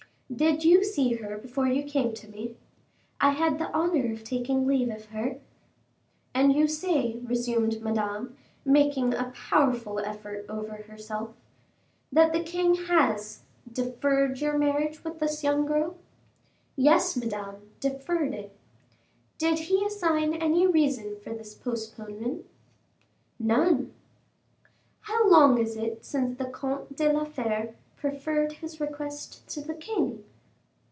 "Did you see her before you came to me?" "I had the honor of taking leave of her." "And you say," resumed Madame, making a powerful effort over herself, "that the king has deferred your marriage with this young girl." "Yes, Madame, deferred it." "Did he assign any reason for this postponement?" "None." "How long is it since the Comte de la Fere preferred his request to the king?"